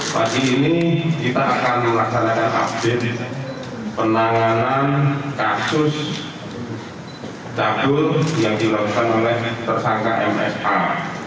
pagi ini kita akan melaksanakan update penanganan kasus dagul yang dilakukan oleh tersangka msa